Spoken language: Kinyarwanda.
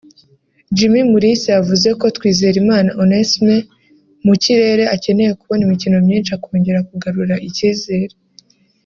Jimmy Mulisa yavuze ko Twizerimana Onesme (mu kirere) akeneye kubona imikino myinshi akongera kugarura icyizere